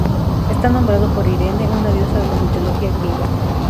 Está nombrado por Irene, una diosa de la mitología griega.